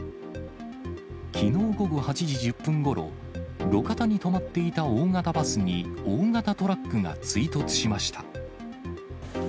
きのう午後８時１０分ごろ、路肩に止まっていた大型バスに、大型トラックが追突しました。